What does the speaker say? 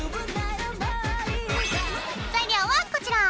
材料はこちら。